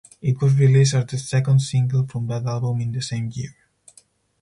It was released as the second single from that album in the same year.